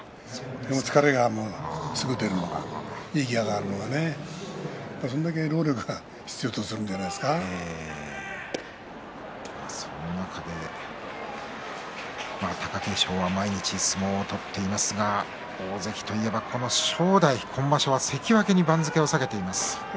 疲れがすぐに出るのか息が上がるのがそれだけ労力をその中で貴景勝は毎日、相撲を取っていますが大関といえば正代、今場所は関脇に番付を下げています。